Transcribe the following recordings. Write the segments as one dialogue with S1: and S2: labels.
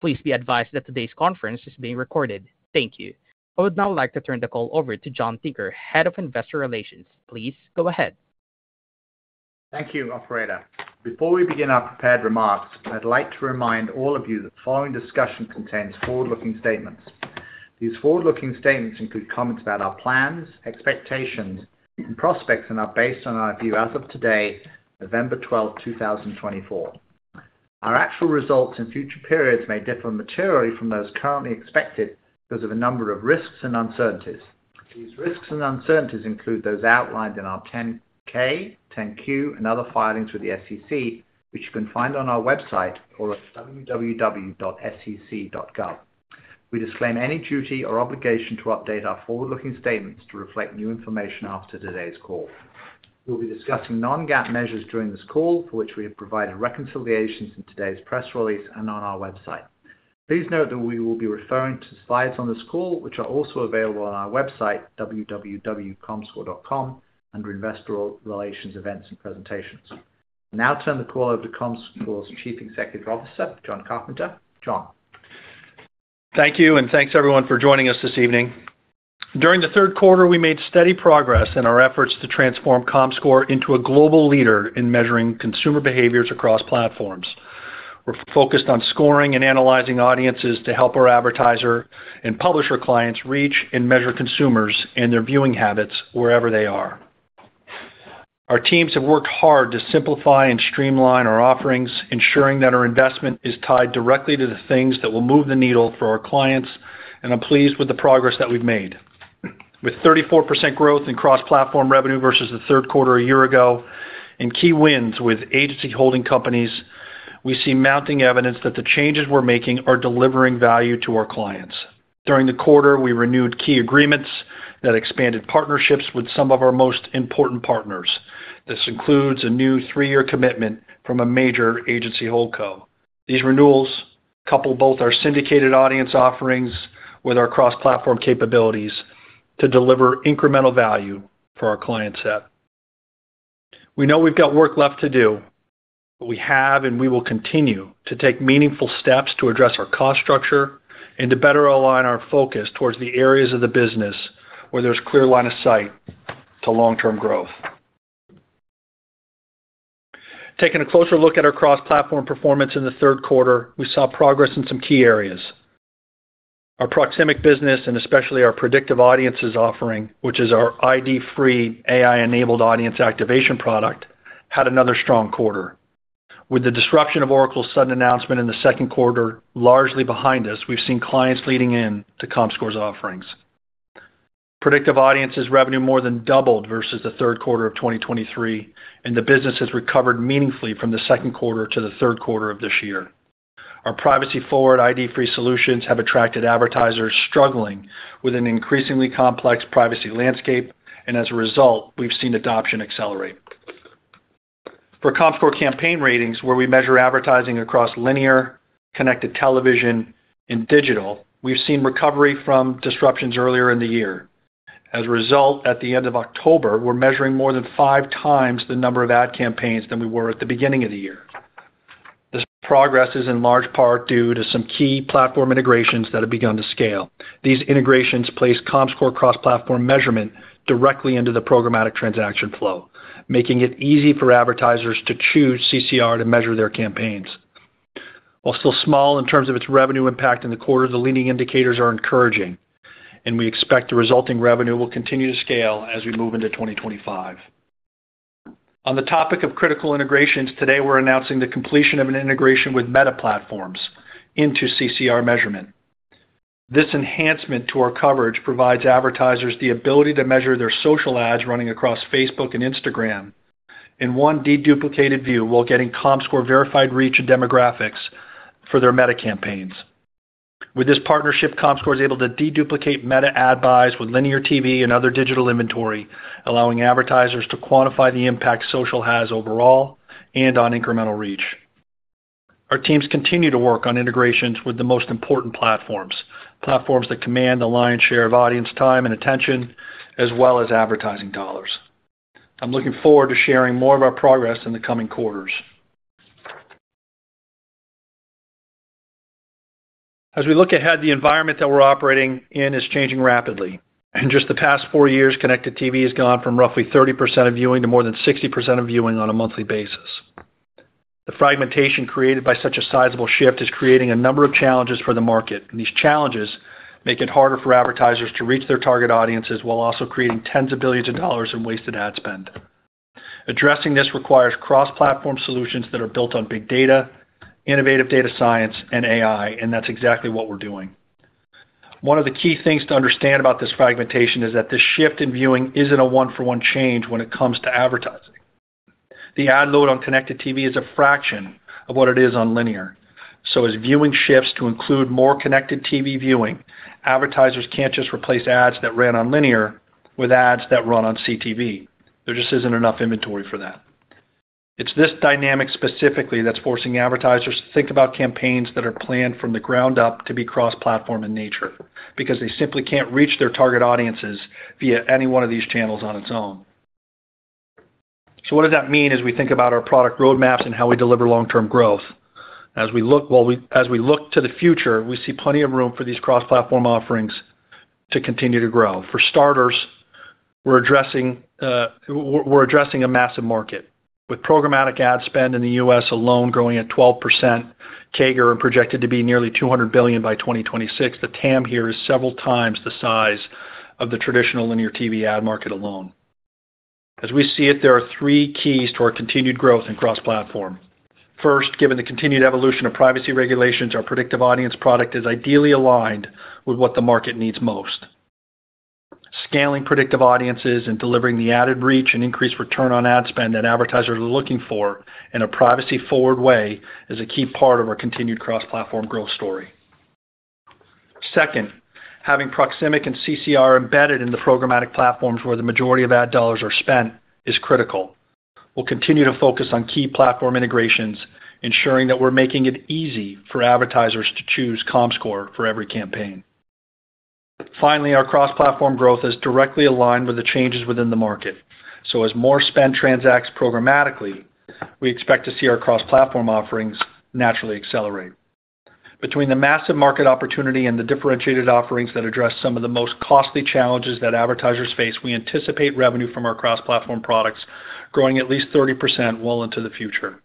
S1: Please be advised that today's conference is being recorded. Thank you. I would now like to turn the call over to John Tinker, Head of Investor Relations. Please go ahead.
S2: Thank you, Operator. Before we begin our prepared remarks, I'd like to remind all of you that the following discussion contains forward-looking statements. These forward-looking statements include comments about our plans, expectations, and prospects, and are based on our view as of today, November 12th, 2024. Our actual results and future periods may differ materially from those currently expected because of a number of risks and uncertainties. These risks and uncertainties include those outlined in our 10-K, 10-Q, and other filings with the SEC, which you can find on our website or at www.sec.gov. We disclaim any duty or obligation to update our forward-looking statements to reflect new information after today's call. We'll be discussing Non-GAAP measures during this call, for which we have provided reconciliations in today's press release and on our website. Please note that we will be referring to slides on this call, which are also available on our website, www.comscore.com, under Investor Relations Events and Presentations. I now turn the call over to Comscore's Chief Executive Officer, Jon Carpenter. John.
S3: Thank you, and thanks everyone for joining us this evening. During the third quarter, we made steady progress in our efforts to transform Comscore into a global leader in measuring consumer behaviors across platforms. We're focused on scoring and analyzing audiences to help our advertiser and publisher clients reach and measure consumers and their viewing habits wherever they are. Our teams have worked hard to simplify and streamline our offerings, ensuring that our investment is tied directly to the things that will move the needle for our clients, and I'm pleased with the progress that we've made. With 34% growth in cross-platform revenue versus the third quarter a year ago, and key wins with agency holding companies, we see mounting evidence that the changes we're making are delivering value to our clients. During the quarter, we renewed key agreements that expanded partnerships with some of our most important partners. This includes a new three-year commitment from a major agency holdco. These renewals couple both our syndicated audience offerings with our cross-platform capabilities to deliver incremental value for our client set. We know we've got work left to do, but we have and we will continue to take meaningful steps to address our cost structure and to better align our focus towards the areas of the business where there's a clear line of sight to long-term growth. Taking a closer look at our cross-platform performance in the third quarter, we saw progress in some key areas. Our Proximic business, and especially our Predictive Audiences offering, which is our ID-free, AI-enabled audience activation product, had another strong quarter. With the disruption of Oracle's sudden announcement in the second quarter largely behind us, we've seen clients leaning into Comscore's offerings. Predictive Audiences revenue more than doubled versus the third quarter of 2023, and the business has recovered meaningfully from the second quarter to the third quarter of this year. Our privacy-forward, ID-free solutions have attracted advertisers struggling with an increasingly complex privacy landscape, and as a result, we've seen adoption accelerate. For Comscore Campaign Ratings, where we measure advertising across linear, connected television, and digital, we've seen recovery from disruptions earlier in the year. As a result, at the end of October, we're measuring more than five times the number of ad campaigns than we were at the beginning of the year. This progress is in large part due to some key platform integrations that have begun to scale. These integrations place Comscore cross-platform measurement directly into the programmatic transaction flow, making it easy for advertisers to choose CCR to measure their campaigns. While still small in terms of its revenue impact in the quarter, the leading indicators are encouraging, and we expect the resulting revenue will continue to scale as we move into 2025. On the topic of critical integrations, today we're announcing the completion of an integration with Meta Platforms into CCR measurement. This enhancement to our coverage provides advertisers the ability to measure their social ads running across Facebook and Instagram in one deduplicated view while getting Comscore verified reach and demographics for their Meta campaigns. With this partnership, Comscore is able to deduplicate Meta ad buys with linear TV and other digital inventory, allowing advertisers to quantify the impact social has overall and on incremental reach. Our teams continue to work on integrations with the most important platforms, platforms that command the lion's share of audience time and attention, as well as advertising dollars. I'm looking forward to sharing more of our progress in the coming quarters. As we look ahead, the environment that we're operating in is changing rapidly. In just the past four years, connected TV has gone from roughly 30% of viewing to more than 60% of viewing on a monthly basis. The fragmentation created by such a sizable shift is creating a number of challenges for the market, and these challenges make it harder for advertisers to reach their target audiences while also creating tens of billions of dollars in wasted ad spend. Addressing this requires cross-platform solutions that are built on big data, innovative data science, and AI, and that's exactly what we're doing. One of the key things to understand about this fragmentation is that this shift in viewing isn't a one-for-one change when it comes to advertising. The ad load on connected TV is a fraction of what it is on linear, so as viewing shifts to include more connected TV viewing, advertisers can't just replace ads that ran on linear with ads that run on CTV. There just isn't enough inventory for that. It's this dynamic specifically that's forcing advertisers to think about campaigns that are planned from the ground up to be cross-platform in nature because they simply can't reach their target audiences via any one of these channels on its own. So what does that mean as we think about our product roadmaps and how we deliver long-term growth? As we look to the future, we see plenty of room for these cross-platform offerings to continue to grow. For starters, we're addressing a massive market. With programmatic ad spend in the U.S. alone growing at 12% CAGR projected to be nearly $200 billion by 2026, the TAM here is several times the size of the traditional linear TV ad market alone. As we see it, there are three keys to our continued growth in cross-platform. First, given the continued evolution of privacy regulations, our Predictive Audience product is ideally aligned with what the market needs most. Scaling Predictive Audiences and delivering the added reach and increased return on ad spend that advertisers are looking for in a privacy-forward way is a key part of our continued cross-platform growth story. Second, having Proximic and CCR embedded in the programmatic platforms where the majority of ad dollars are spent is critical. We'll continue to focus on key platform integrations, ensuring that we're making it easy for advertisers to choose Comscore for every campaign. Finally, our cross-platform growth is directly aligned with the changes within the market, so as more spend transacts programmatically, we expect to see our cross-platform offerings naturally accelerate. Between the massive market opportunity and the differentiated offerings that address some of the most costly challenges that advertisers face, we anticipate revenue from our cross-platform products growing at least 30% well into the future.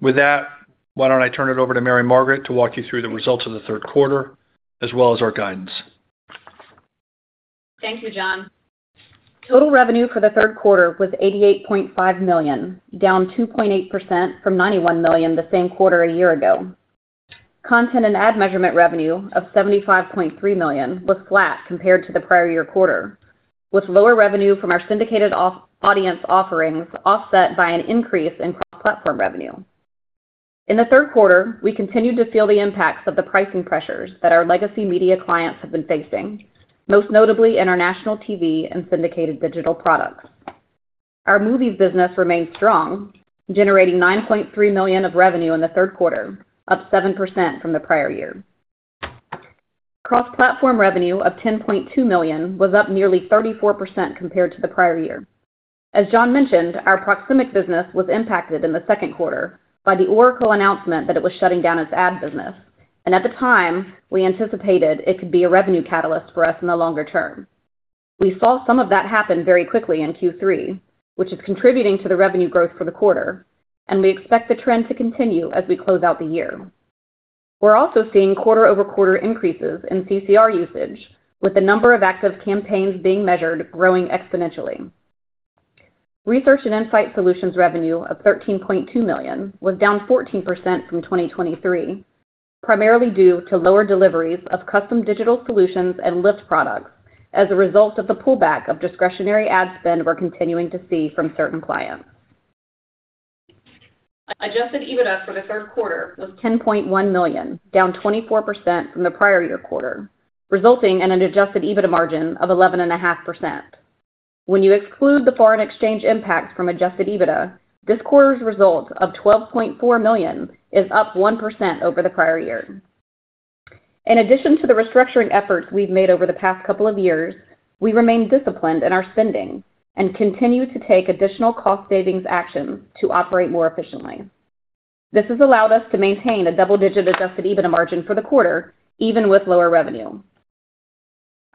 S3: With that, why don't I turn it over to Mary Margaret to walk you through the results of the third quarter, as well as our guidance.
S4: Thank you, John. Total revenue for the third quarter was $88.5 million, down 2.8% from $91 million the same quarter a year ago. Content and Ad Measurement revenue of $75.3 million was flat compared to the prior year quarter, with lower revenue from our syndicated audience offerings offset by an increase in cross-platform revenue. In the third quarter, we continued to feel the impacts of the pricing pressures that our legacy media clients have been facing, most notably international TV and syndicated digital products. Our movie business remained strong, generating $9.3 million of revenue in the third quarter, up 7% from the prior year. Cross-platform revenue of $10.2 million was up nearly 34% compared to the prior year. As John mentioned, our Proximic business was impacted in the second quarter by the Oracle announcement that it was shutting down its ad business, and at the time, we anticipated it could be a revenue catalyst for us in the longer term. We saw some of that happen very quickly in Q3, which is contributing to the revenue growth for the quarter, and we expect the trend to continue as we close out the year. We're also seeing quarter-over-quarter increases in CCR usage, with the number of active campaigns being measured growing exponentially. Research and Insight Solutions revenue of $13.2 million was down 14% from 2023, primarily due to lower deliveries of custom digital solutions and Lift products as a result of the pullback of discretionary ad spend we're continuing to see from certain clients. Adjusted EBITDA for the third quarter was $10.1 million, down 24% from the prior year quarter, resulting in an adjusted EBITDA margin of 11.5%. When you exclude the foreign exchange impacts from adjusted EBITDA, this quarter's result of $12.4 million is up 1% over the prior year. In addition to the restructuring efforts we've made over the past couple of years, we remain disciplined in our spending and continue to take additional cost-savings actions to operate more efficiently. This has allowed us to maintain a double-digit adjusted EBITDA margin for the quarter, even with lower revenue.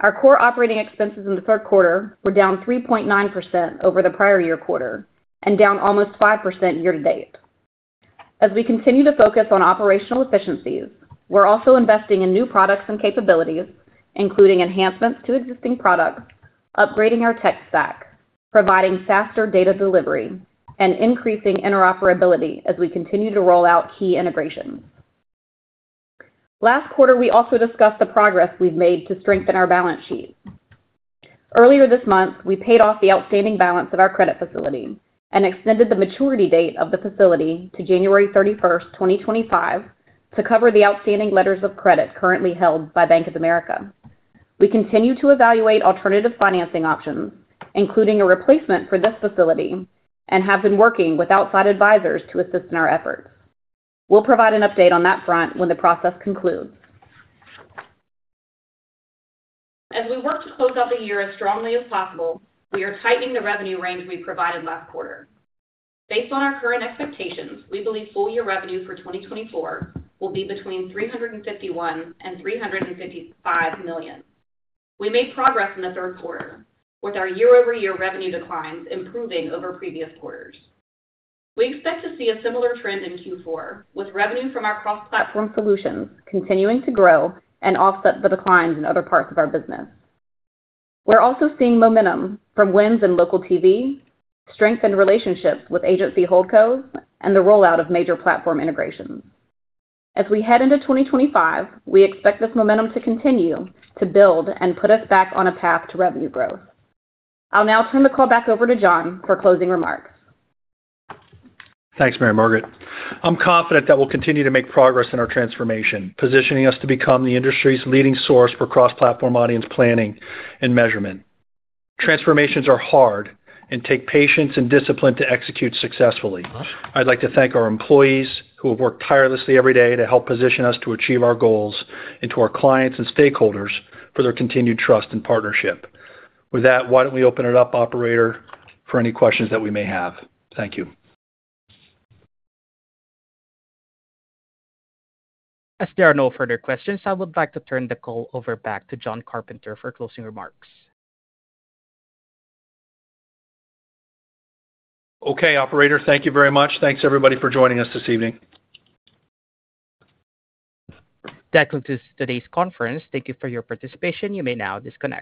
S4: Our core operating expenses in the third quarter were down 3.9% over the prior year quarter and down almost 5% year-to-date. As we continue to focus on operational efficiencies, we're also investing in new products and capabilities, including enhancements to existing products, upgrading our tech stack, providing faster data delivery, and increasing interoperability as we continue to roll out key integrations. Last quarter, we also discussed the progress we've made to strengthen our balance sheet. Earlier this month, we paid off the outstanding balance of our credit facility and extended the maturity date of the facility to January 31st, 2025, to cover the outstanding letters of credit currently held by Bank of America. We continue to evaluate alternative financing options, including a replacement for this facility, and have been working with outside advisors to assist in our efforts. We'll provide an update on that front when the process concludes. As we work to close out the year as strongly as possible, we are tightening the revenue range we provided last quarter. Based on our current expectations, we believe full-year revenue for 2024 will be between $351 million and $355 million. We made progress in the third quarter, with our year-over-year revenue declines improving over previous quarters. We expect to see a similar trend in Q4, with revenue from our cross-platform solutions continuing to grow and offset the declines in other parts of our business. We're also seeing momentum from wins in local TV, strengthened relationships with agency holdcos, and the rollout of major platform integrations. As we head into 2025, we expect this momentum to continue to build and put us back on a path to revenue growth. I'll now turn the call back over to John for closing remarks.
S3: Thanks, Mary Margaret. I'm confident that we'll continue to make progress in our transformation, positioning us to become the industry's leading source for cross-platform audience planning and measurement. Transformations are hard and take patience and discipline to execute successfully. I'd like to thank our employees who have worked tirelessly every day to help position us to achieve our goals and to our clients and stakeholders for their continued trust and partnership. With that, why don't we open it up, Operator, for any questions that we may have? Thank you.
S1: As there are no further questions, I would like to turn the call over back to John Carpenter for closing remarks.
S3: Okay, Operator, thank you very much. Thanks, everybody, for joining us this evening.
S1: That concludes today's conference. Thank you for your participation. You may now disconnect.